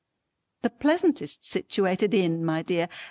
The pleasantest situated inn my dear!